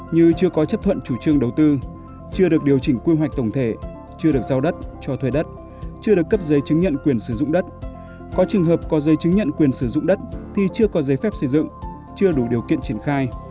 như chưa có chấp thuận chủ trương đầu tư chưa được điều chỉnh quy hoạch tổng thể chưa được giao đất cho thuê đất chưa được cấp giấy chứng nhận quyền sử dụng đất có trường hợp có dây chứng nhận quyền sử dụng đất thì chưa có giấy phép xây dựng chưa đủ điều kiện triển khai